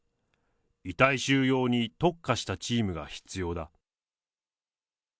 遺体収容に特化したチームが必要だ。